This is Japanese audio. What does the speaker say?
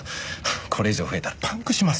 これ以上増えたらパンクします。